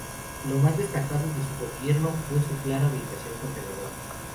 Lo más destacado de su gobierno fue su clara orientación conservadora.